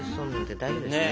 大丈夫ですね？